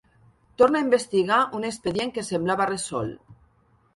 Torna a investigar un expedient que semblava resolt.